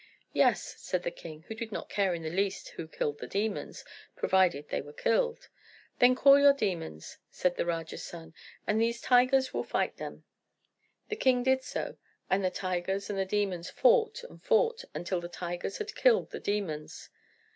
"Yes," said the king, who did not care in the least who killed his demons, provided they were killed. "Then call your demons," said the Raja's son, "and these tigers will fight them." The king did so, and the tigers and the demons fought and fought until the tigers had killed the demons.